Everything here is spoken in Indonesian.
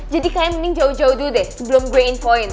jadi kalian mending jauh jauh dulu deh sebelum gue infoin